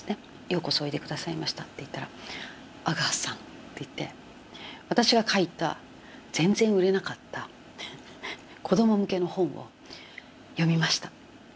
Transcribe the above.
「ようこそおいで下さいました」って言ったら「阿川さん」って言って私が書いた全然売れなかった子供向けの本を「読みました。